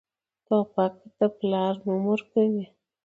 توپک د پلار نوم ورکوي.